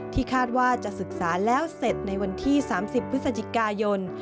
คาดว่าจะศึกษาแล้วเสร็จในวันที่๓๐พฤศจิกายน